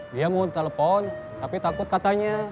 dia mau telepon tapi takut katanya